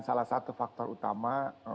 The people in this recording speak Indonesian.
salah satu faktor utama